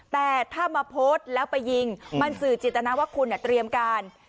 แต่ถ้ามาโพสต์แล้วไปยิงมันสื่อจิตนาว่าคุณเตรียมการ